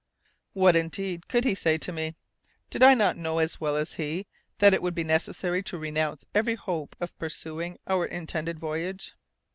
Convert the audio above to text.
What indeed could he say to me? Did I not know as well as he that it would be necessary to renounce every hope of pursuing our intended voyage?